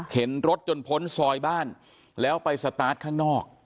รถจนพ้นซอยบ้านแล้วไปสตาร์ทข้างนอก